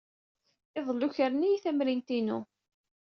Iḍelli, ukren-iyi tamrint-inu.